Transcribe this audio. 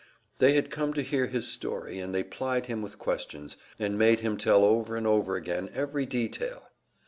They had come to hear his story, and they plied him with questions, and made him tell over and over again every detail.